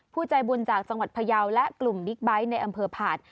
ผู้ใจบุญจากสังวัติภะยาวและกลุ่มบิ๊กไบท์ในอำเภอผ่าน